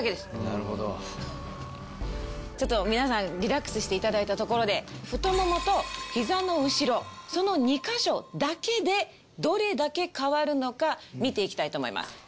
ちょっと皆さんリラックスしていただいたところで太ももとひざの後ろその２か所だけでどれだけ変わるのか見ていきたいと思います。